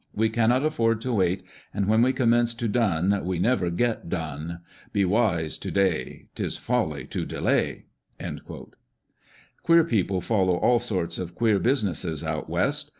We cannot afford to wait, and when we commence to dun, we never get done. Be wise to day, 'tis folly to delay !" Queer people follow all sorts of queer busi nesses out west.